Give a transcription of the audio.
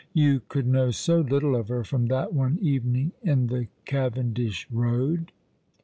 You could know so little of her from that one evening in the Cavendish Eoad."